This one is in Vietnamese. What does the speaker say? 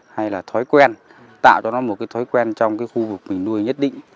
hay là thói quen tạo cho nó một cái thói quen trong cái khu vực mình nuôi nhất định